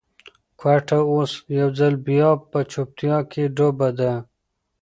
کوټه اوس یو ځل بیا په چوپتیا کې ډوبه ده.